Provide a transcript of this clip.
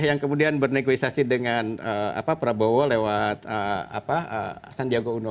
yang kemudian bernegosiasi dengan prabowo lewat san diego uno